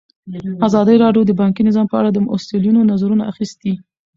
ازادي راډیو د بانکي نظام په اړه د مسؤلینو نظرونه اخیستي.